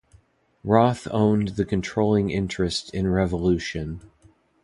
Roth owned the controlling interest in Revolution.